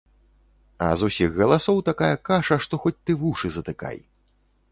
А з усіх галасоў такая каша, што хоць ты вушы затыкай.